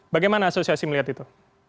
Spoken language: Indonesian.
bagaimana asosiasi melihat itu